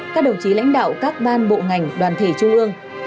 các đồng chí lãnh đạo các ban bộ ngành đoàn thể trung ương